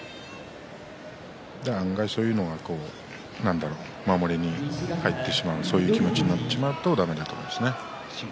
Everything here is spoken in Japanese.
案外そういうのは何だろう、守りに入ってしまうそういう気持ちになってしまうとだめなんですね。